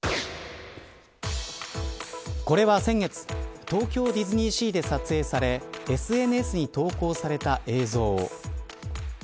これは先月東京ディズニー・シーで撮影されＳＮＳに投稿された映像。